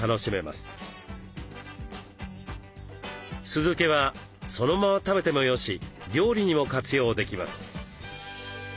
酢漬けはそのまま食べてもよし料理にも活用できます。